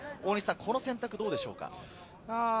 この選択はどうでしょうか？